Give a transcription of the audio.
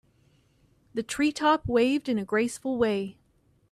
The tree top waved in a graceful way.